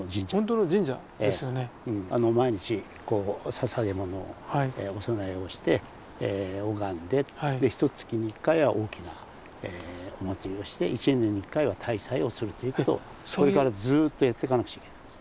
毎日捧げものをお供えをして拝んでひとつきに一回は大きなお祭りをして一年に一回は大祭をするということをこれからずっとやってかなくちゃいけないんですよ。